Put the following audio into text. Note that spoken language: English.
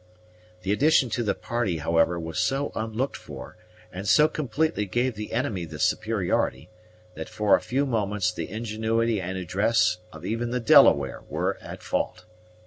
The addition to the party, however, was so unlooked for, and so completely gave the enemy the superiority, that for a few moments the ingenuity and address of even the Delaware were at fault.